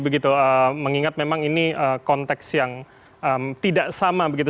mengingat memang ini konteks yang tidak sama begitu